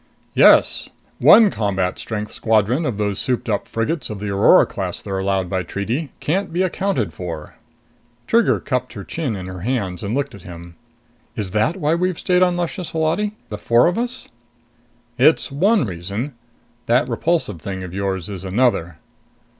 "Yes. One combat strength squadron of those souped up frigates of the Aurora class they're allowed by treaty can't be accounted for." Trigger cupped her chin in her hands and looked at him. "Is that why we've stayed on Luscious, Holati the four of us?" "It's one reason. That Repulsive thing of yours is another."